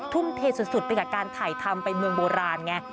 ทุ่มเทสุดไปกับการถ่ายทำไปเมืองโบราณไง